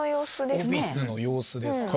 オフィスの様子ですか。